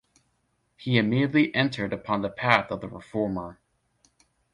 He immediately entered upon the path of the reformer.